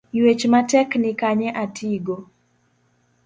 Yuech matek nikanye atigo?